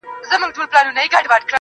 • ای د نشې د سمرقند او بُخارا لوري.